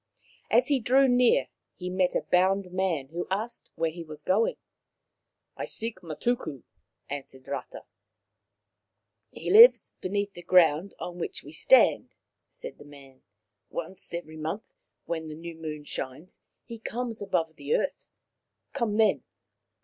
As he drew near he met a bound man who asked where he was going. I seek Matuku," answered Rata. He lives beneath the ground on which we stand," said the man. " Once every month, when the new moon shines, he comes above the earth. Come then."